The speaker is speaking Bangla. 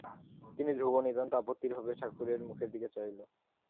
কিন্তু ধ্রুব নিতান্ত আপত্তির ভাবে ঠাকুরের মুখের দিকে চাহিল।